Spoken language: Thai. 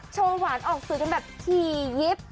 โชว์หวานออกสื่อกันแบบถี่ยิบ